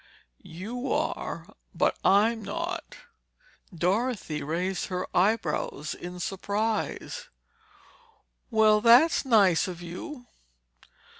"You are—but I'm not." Dorothy raised her eyebrows in surprise. "Well, that's nice of you!"